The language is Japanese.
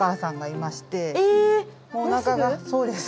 そうです。